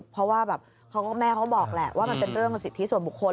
เพราะแม่เขาบอกแหละว่ามันเป็นเรื่องศิษย์ศิษย์ส่วนบุคคล